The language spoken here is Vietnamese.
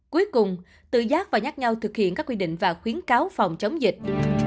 cuối cùng tự giác và nhắc nhau thực hiện các quy định và khuyến cáo phòng chống dịch